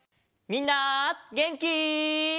みんなげんき？